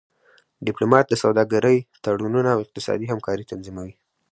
ډيپلومات د سوداګری تړونونه او اقتصادي همکاری تنظیموي.